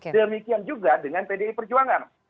demikian juga dengan pdi perjuangan